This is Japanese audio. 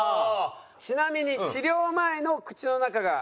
ちなみに治療前の口の中がこちらです。